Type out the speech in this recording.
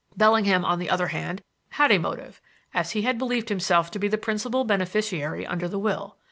Bellingham, on the other hand, had a motive, as he had believed himself to be the principal beneficiary under the will.